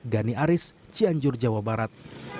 gani aris cianjur jawa barat